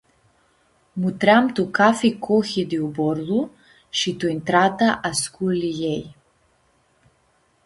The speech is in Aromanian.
Mutream tu cafi cohi di uborlu shi tu intrata a sculiiljei.